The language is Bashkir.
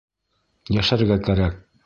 Йәшәргә кәрәк.